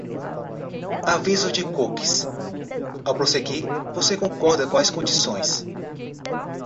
Aviso de cookies: ao prosseguir, você concorda com as condições